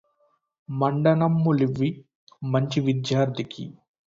మండనమ్ములివ్వి మంచి విద్యార్థికి